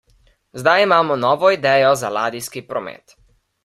Zdaj imamo novo idejo za ladijski promet.